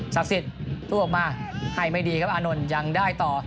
ศักดิ์สิทธิ์ทรุกออกมาให้ไม่ดีครับอานนท์ยังได้ต่อ